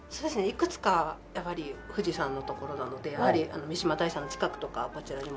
いくつかやっぱり富士山の所なのでやはり三嶋大社の近くとかこちらにも。